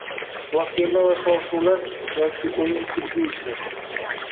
Vahima va shov-shuvlar yoki oʻyin-kulgi uchun